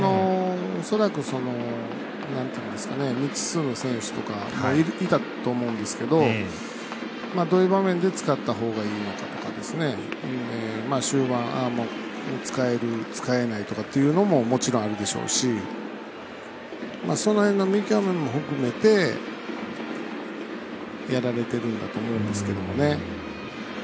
恐らく未知数の選手とかもいたと思うんですけどどういう場面で使ったほうがいいのかとか終盤、使える使えないとかっていうのももちろんあるでしょうしその辺の見極めも含めてやられてるんだと思うんですけどもね。